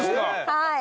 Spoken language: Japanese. はい。